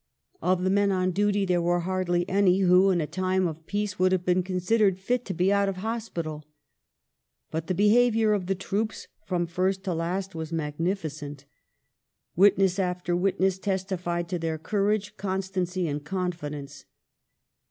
Of the men on duty there were hardly any who "in a time of peace would have been considered fit to be out of hospital ". But the behaviour of the troops from fii*st to last was magnificent. Witness after witness testified to their courage, constancy, and confidence.